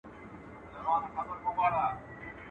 پخواني خلک شفتالو خوښول.